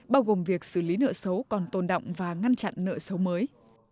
bao gồm việc xử lý nợ xấu còn tồn động và ngăn chặn nợ xấu mới